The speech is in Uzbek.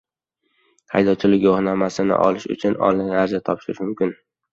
Haydovchilik guvohnomasini olish uchun onlayn ariza topshirish mumkin